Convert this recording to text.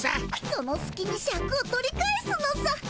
そのすきにシャクを取り返すのさ。